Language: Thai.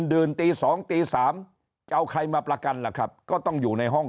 ดื่นตี๒ตี๓จะเอาใครมาประกันล่ะครับก็ต้องอยู่ในห้อง